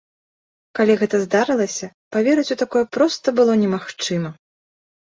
Калі гэта здарылася, паверыць у такое проста было немагчыма.